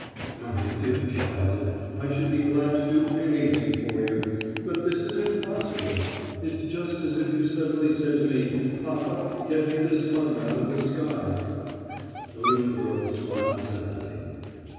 "My dear child, I should be glad to do anything for you, but this is impossible. It's just as if you suddenly said to me, 'Papa, get me the sun out of the sky.'" The little girl smiled sadly.